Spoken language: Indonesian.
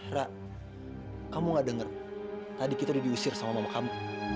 rak kamu gak denger tadi kita udah diusir sama mama kamu